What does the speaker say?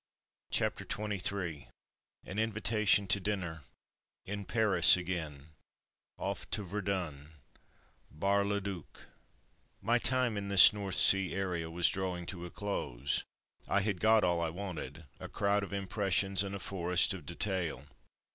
CHAPTER XXIII AN INVITATION TO DINNER — IN PARIS AGAIN — OFF TO VERDUN — BAR LE DUC My time in this North Sea area was drawing to a close. I had got all I wanted, a crowd of impressions and a forest of detail.